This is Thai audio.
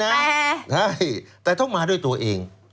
ให้อุทธรณ์ได้นะแต่ต้องมาด้วยตัวเอง